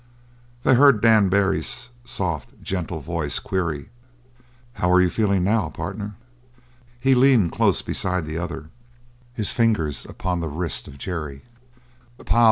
They heard Dan Barry's soft, gentle voice query: "How you feelin' now, partner?" He leaned close beside the other, his fingers upon the wrist of Jerry.